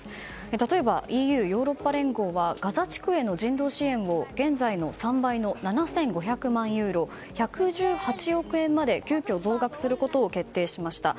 例えば、ＥＵ・ヨーロッパ連合はガザ地区への人道支援を現在の３倍の７５００万ユーロ１１８億円まで急きょ増額することを決定しました。